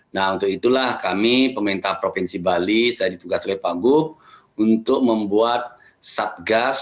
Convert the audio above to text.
nah untuk itulah kami pemerintah provinsi bali saya ditugas oleh pak gup untuk membuat satgas